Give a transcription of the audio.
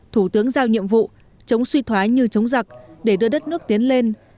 thủ tướng giao nhiệm vụ chống suy thoái như chống giặc để đưa đất nước tiến lên